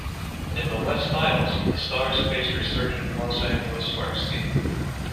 In the West Finals, the Stars faced the resurgent Los Angeles Sparks team.